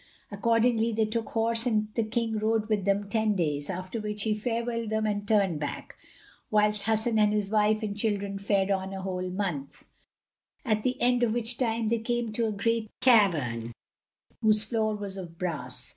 Accordingly they took horse and the King rode with them ten days, after which he farewelled them and turned back, whilst Hasan and his wife and children fared on a whole month, at the end of which time they came to a great cavern, whose floor was of brass.